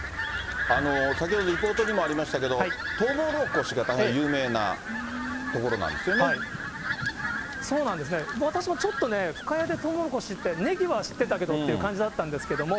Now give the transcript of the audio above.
先ほど、リポートにもありましたけれども、とうもろこしが大そうなんですね、私もちょっとね、深谷でとうもろこしって、ねぎは知ってたけどって感じだったんですけども。